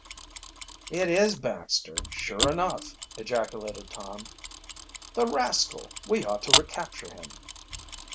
"It is Baxter, sure enough!" ejaculated Tom. "The rascal! We ought to recapture him."